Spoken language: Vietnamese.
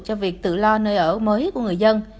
cho việc tự lo nơi ở mới của người dân